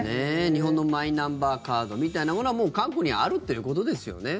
日本のマイナンバーカードみたいなものはもう韓国にはあるということですよね。